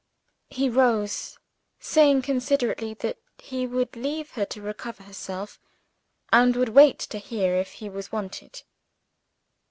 He rose saying considerately that he would leave her to recover herself, and would wait to hear if he was wanted.